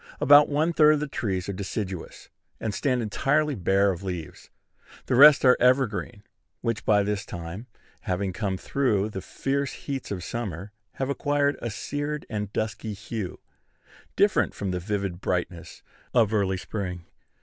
About one third of the trees are deciduous, and stand entirely bare of leaves. The rest are evergreen, which by this time, having come through the fierce heats of summer, have acquired a seared and dusky hue, different from the vivid brightness of early spring.